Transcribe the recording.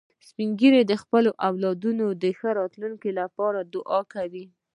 سپین ږیری د خپلو اولادونو د ښې راتلونکې لپاره دعا کوي